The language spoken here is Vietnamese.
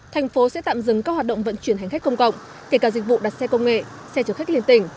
thành phố sẽ tạm dừng các hoạt động vận chuyển hành khách công cộng kể cả dịch vụ đặt xe công nghệ xe chở khách liên tỉnh